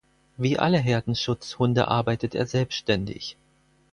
Wie alle Herdenschutzhunde arbeitet er selbständig.